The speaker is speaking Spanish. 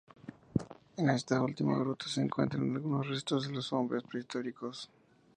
En esta última gruta se encuentran algunos restos de los hombres prehistóricos.